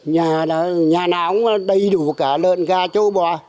nhà nào cũng đầy đủ cả lợn gà châu bò